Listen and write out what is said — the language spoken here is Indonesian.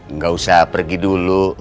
nggak usah pergi dulu